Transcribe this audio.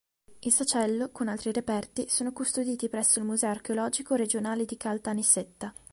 Il sacello, con altri reperti, sono custoditi presso il Museo archeologico regionale di Caltanissetta.